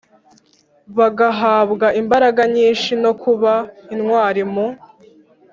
bagahabwa imbaraga nyinshi no kuba intwari mu